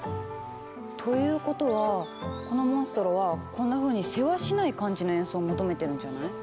ということはこのモンストロはこんなふうにせわしない感じの演奏を求めてるんじゃない？